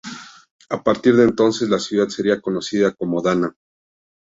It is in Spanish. A partir de entonces la ciudad sería conocida como Dana.